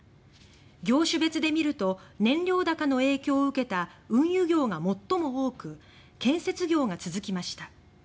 業種別で見ると燃料高の影響を受けた運輸業が最も多く建設業が続きました。